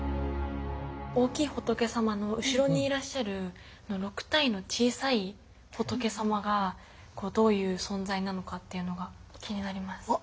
大きい仏様の後ろにいらっしゃる６体の小さい仏様がどういう存在なのかっていうのが気になります。